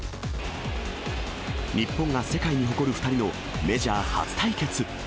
日本が世界に誇る２人のメジャー初対決。